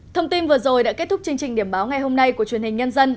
thông tin vừa rồi đã kết thúc chương trình điểm báo ngày hôm nay của truyền hình nhân dân